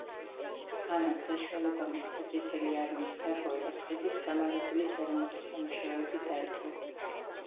ამან საშუალება მისცა წითელი არმიის სარდლობას ხიდის გამალებული სარემონტო სამუშაოები დაეწყო.